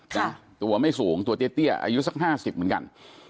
นะตัวไม่สูงตัวเตี้ยอายุสักห้าสิบเหมือนกัน